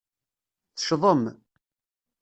Teccḍem.